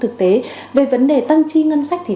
thực tế về vấn đề tăng chi ngân sách